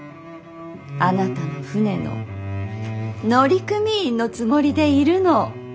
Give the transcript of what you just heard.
あなたの船の乗組員のつもりでいるの。